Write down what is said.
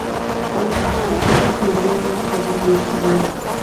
ওর কান দুটোও ফিওরনের কেটে নিয়েছিল।